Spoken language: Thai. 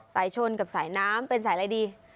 สายชนกับสายน้ำเป็นสายอะไรดี